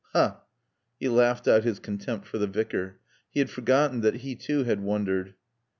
"Hah!" He laughed out his contempt for the Vicar. He had forgotten that he too had wondered.